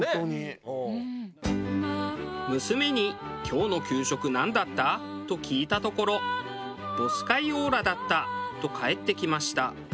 娘に「今日の給食なんだった？」と聞いたところ「ボスカイオーラだった」と返ってきました。